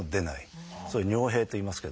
それを「尿閉」といいますけど。